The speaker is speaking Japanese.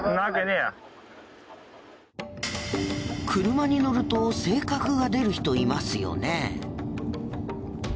車に乗ると性格が出る人いますよね。